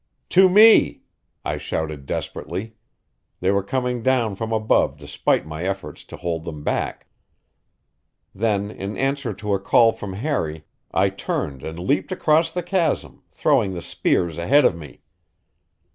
"To me!" I shouted desperately; they were coming down from above despite my efforts to hold them back. Then, in answer to a call from Harry, I turned and leaped across the chasm, throwing the spears ahead of me.